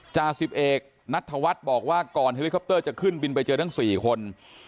จ่าสิบเอกนัทธวัฒน์บอกว่าก่อนเฮลิคอปเตอร์จะขึ้นบินไปเจอทั้ง๔คน